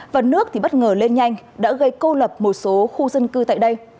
và nước bất ngờ lên nhanh đã gây câu lập một số khu dân cư tại đây